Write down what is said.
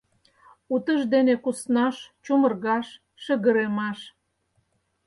Утыждене куснаш — чумыргаш, шыгыремаш.